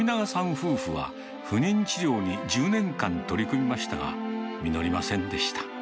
夫婦は不妊治療に１０年間取り組みましたが、実りませんでした。